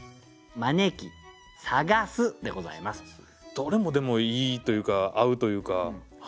どれもでもいいというか合うというか。